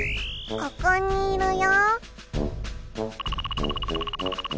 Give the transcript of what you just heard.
ここにいるよ。